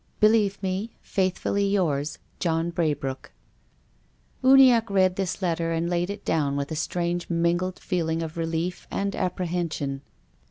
" Believe me, " Faithfully yours, " John Braybrooke." Uniacke read this letter, and laid it down with a strange mingled feeling of relief and apprehen sion.